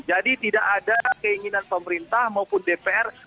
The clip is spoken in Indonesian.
jadi tidak ada keinginan pemerintah maupun dpr